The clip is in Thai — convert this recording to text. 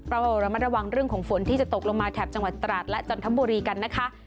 เราระมัดระวังเรื่องของฝนที่จะตกลงมาแถบจังหวัดตราดและจันทบุรีกันนะคะ